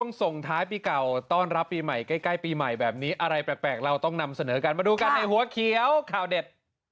ส่งท้ายปีเก่าต้อนรับปีใหม่ใกล้ปีใหม่แบบนี้อะไรแปลกเราต้องนำเสนอกันมาดูกันในหัวเขียวข่าวเด็ด